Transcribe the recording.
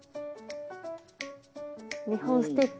２本ステッチ。